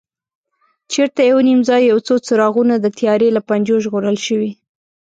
چېرته یو نیم ځای یو څو څراغونه د تیارې له پنجو ژغورل شوي.